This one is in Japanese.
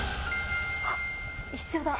あっ一緒だ！